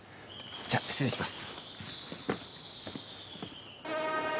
じゃあ失礼します。